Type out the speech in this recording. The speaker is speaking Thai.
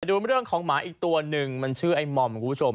ดูเรื่องของหมาอีกตัวหนึ่งมันชื่อไอ้หม่อมคุณผู้ชม